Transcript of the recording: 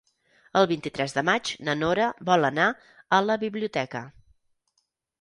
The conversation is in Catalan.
El vint-i-tres de maig na Nora vol anar a la biblioteca.